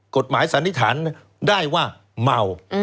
กฎหมายสันนิษฐานได้ว่าเมา